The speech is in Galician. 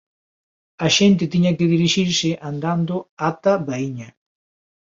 A xente tiña que dirixirse andando ata Baíña.